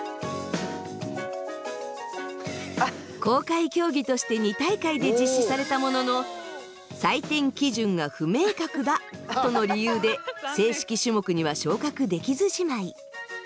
公開競技として２大会で実施されたものの採点基準が不明確だとの理由で正式種目には昇格できずじまい。